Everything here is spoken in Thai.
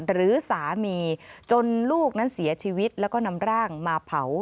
หรือสามีจนลูกนั้นเสียชีวิตแล้วก็นำร่างมาเผา